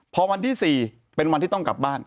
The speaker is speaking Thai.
พอวันที่๔เป็นวันที่ต้องกลับบ้าน